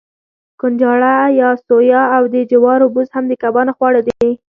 کنجاړه یا سویا او د جوارو بوس هم د کبانو خواړه دي.